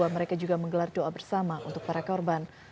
mereka juga menggelar doa bersama untuk para korban